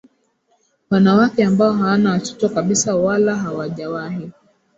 wanawake ambao hawana watoto kabisa wala hawajawahi